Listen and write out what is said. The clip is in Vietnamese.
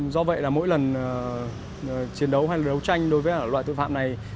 do vậy là mỗi lần chiến đấu hay là đấu tranh đối với loại tội phạm này